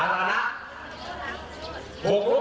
ตำรวจช่วยดำเนินการสร้างล่าครับ